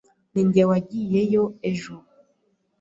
Ninjye wagiyeyo ejo.